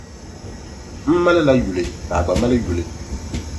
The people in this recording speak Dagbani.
M malila yuli ka a gba mali yuli.